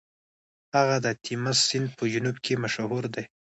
هغه د تیمس سیند په جنوب کې مشهور دی.